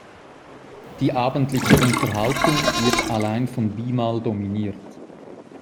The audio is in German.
Die abendliche Unterhaltung wird allein von Bimal dominiert.